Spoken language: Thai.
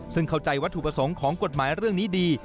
ซึ่งเข้าใจวัตถุประสงค์ของกฎหมายเรื่องนี้ดี